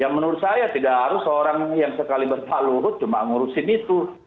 yang menurut saya tidak harus seorang yang sekaliber pak luhut cuma ngurusin itu